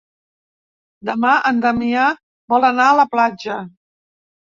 Demà en Damià vol anar a la platja.